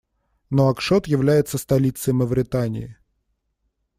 Нуакшот является столицей Мавритании.